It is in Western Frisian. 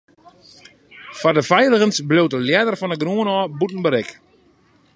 Foar de feiligens bliuwt de ljedder fan 'e grûn ôf bûten berik.